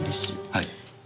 はい。